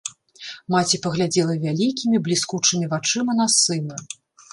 Маці паглядзела вялікімі, бліскучымі вачыма на сына.